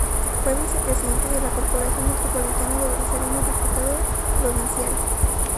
Fue vicepresidente de la Corporación Metropolitana de Barcelona y diputado provincial.